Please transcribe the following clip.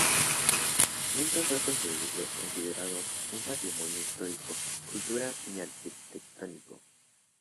Nunca fue considerado un patrimonio histórico, cultural ni arquitectónico.